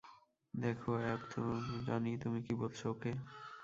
দেখো, অ্যাব, জানি তুমি কী বলছো, ওকে?